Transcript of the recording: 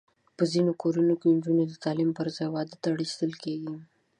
په ځینو کورنیو کې نجونې د تعلیم پر ځای واده ته اړ ایستل کېږي.